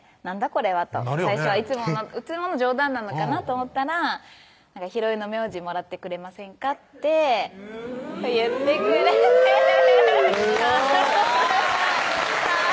これはといつもの冗談なのかなと思ったら「広井の名字もらってくれませんか？」って言ってくれてすごい！